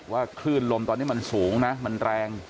คลื่นลมตอนนี้มันสูงนะมันแรง